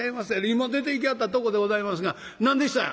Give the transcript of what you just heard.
今出ていきはったとこでございますが何でした？」。